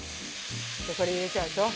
これ入れちゃうでしょ。